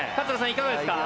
いかがですか？